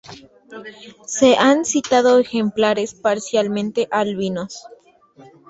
Se han citado ejemplares parcialmente albinos.